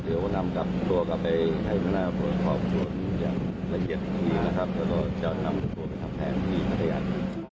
แล้วก็จะนำตัวกลับไปทำแทนที่พัทยาน